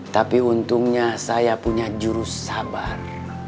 tapi untungnya saya punya jurus sabar